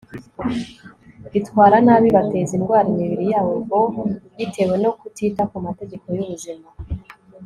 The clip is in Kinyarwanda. bitwara nabi bateza indwara imibiri yabo, bitewe no kutita ku mategeko y'ubuzima